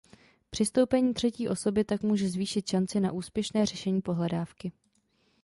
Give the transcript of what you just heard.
Přistoupení třetí osoby tak může zvýšit šanci na úspěšné řešení pohledávky.